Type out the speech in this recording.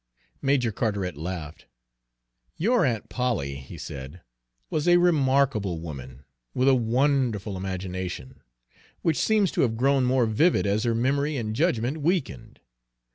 Major Carteret laughed. "Your Aunt Polly," he said, "was a remarkable woman, with a wonderful imagination, which seems to have grown more vivid as her memory and judgment weakened.